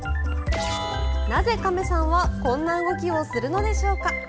なぜ、亀さんはこんな動きをするのでしょうか。